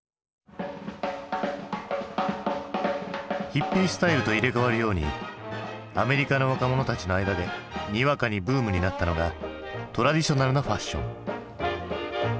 ヒッピー・スタイルと入れ代わるようにアメリカの若者たちの間でにわかにブームになったのがトラディショナルなファッション。